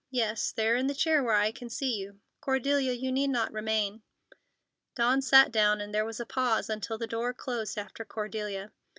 "Yes, there in the chair where I can see you. Cordelia, you need not remain." Dawn sat down, and there was a pause until the door closed after Cordelia.